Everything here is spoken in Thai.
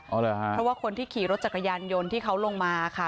เพราะว่าคนที่ขี่รถจักรยานยนต์ที่เขาลงมาค่ะ